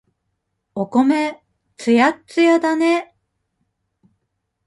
お米、つやっつやだね。